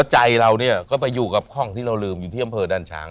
ใจเราเนี่ยก็ไปอยู่กับข้องที่เราลืมอยู่ที่อำเภอดันช้าง